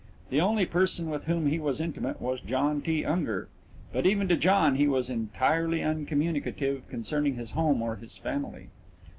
The only person with whom he was intimate was John T. Unger, but even to John he was entirely uncommunicative concerning his home or his family.